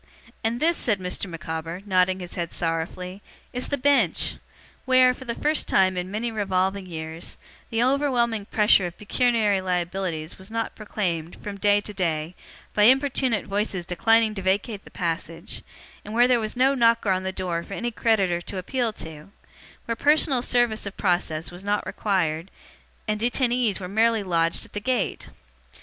And this,' said Mr. Micawber, nodding his head sorrowfully, 'is the Bench! Where, for the first time in many revolving years, the overwhelming pressure of pecuniary liabilities was not proclaimed, from day to day, by importune voices declining to vacate the passage; where there was no knocker on the door for any creditor to appeal to; where personal service of process was not required, and detainees were merely lodged at the gate!